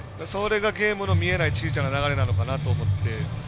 それがゲームの見えないちいちゃな流れなのかなと思って。